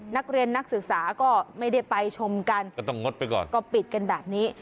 นักศึกษาก็ไม่ได้ไปชมกันก็ต้องงดไปก่อนก็ปิดกันแบบนี้